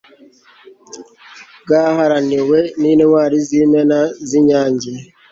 bwaharaniwe n'intwari z'imena z'inyange